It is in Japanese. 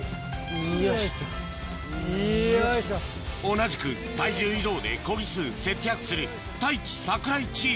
同じく体重移動でコギ数節約する太一・櫻井チーム